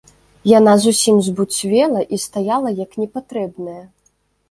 Яна зусім збуцвела і стаяла як непатрэбная.